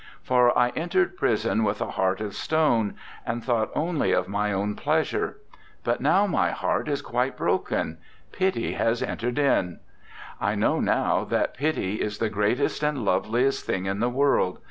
For I entered prison with a heart of stone, and thought only of my own pleasure; but now my heart is quite broken; pity has entered in; I know now that pity is the greatest and loveliest thing in the world.